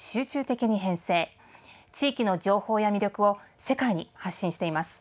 地域の情報や魅力を世界に発信しています。